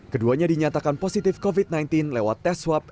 keduanya dinyatakan positif covid sembilan belas lewat tes swab